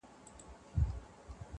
پروت په سترګو کي مي رنګ رنګ د نسو دی,